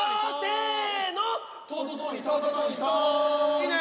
いいね！